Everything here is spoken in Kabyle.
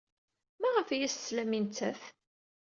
Maɣef ay as-teslam i nettat?